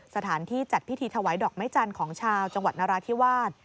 สถานที่จัดพิธีถวายดอกไม้จันทร์ของชาวจังหวัดนราธิวาส